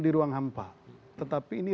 di ruang hampa tetapi ini